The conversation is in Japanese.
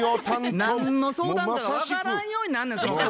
何の相談か分からんようになんねん。